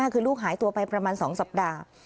คือลูกหายตัวไปประมาณ๒สัปดาห์